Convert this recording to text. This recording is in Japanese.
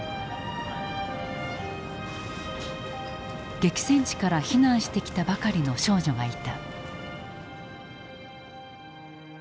激戦地から避難してきたばかりの少女がいた。